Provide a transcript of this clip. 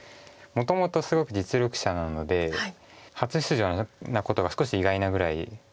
もともとすごく実力者なので初出場なことが少し意外なぐらいです。